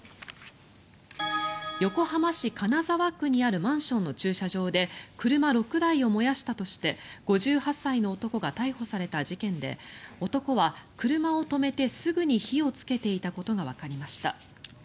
横浜市金沢区にあるマンションの駐車場で車６台を燃やしたとして５８歳の男が逮捕された事件で男は車を止めてすぐに火をつけていたことがわかりました。